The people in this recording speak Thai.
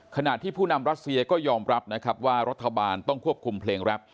ขณะที่ผู้นำรัสเซียก็ยอมรับนะครับว่ารัฐบาลต้องควบคุมเพลงแรป